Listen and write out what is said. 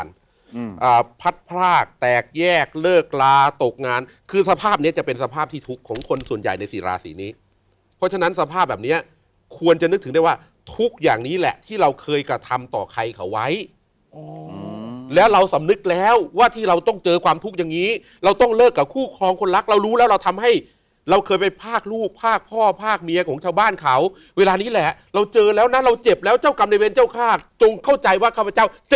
เราก็ขอขอบคุณสิ่งที่เราได้พักอาศัยที่ดูแลเรานะฮะ